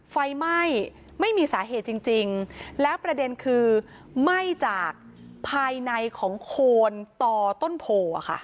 ไฟไหม้ไม่มีสาเหตุจริงแล้วประเด็นคือไหม้จากภายในของโคนต่อต้นโพค่ะ